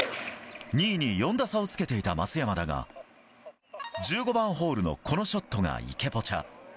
２位に４打差をつけていた松山だが１５番ホールのこのショットが池ポチャ。